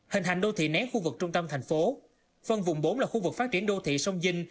hình thành đô thị nén khu vực trung tâm thành phố phân vùng bốn là khu vực phát triển đô thị sông vinh